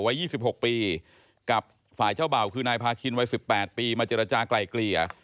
๒๖ปีกับฝ่ายเจ้าเบ่าคือนายพาคินวัย๑๘ปีมาเจรจากลายเกลี่ย